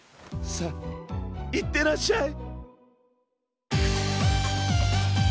さあいってらっしゃい。